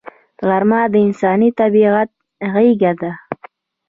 غرمه د انساني طبیعت غېږه ده